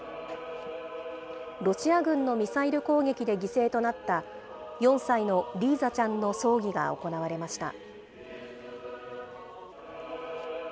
ロシア軍のミサイル攻撃で犠牲となった、４歳のリーザちゃんの葬儀が行われました。